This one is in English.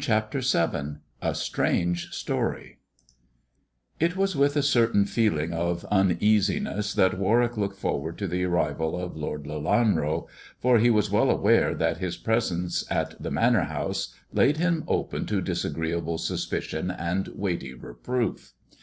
CHAPTER VII A STRANGE STORY IT was with a certain feeling of uneasiness that Warwick looked forward to the arrival of Lord Lelanro, for he was well aware that his presence at the Manor House laid THE dwarf's chamber 53 him open to disagreeable suspicion and weighty reproof.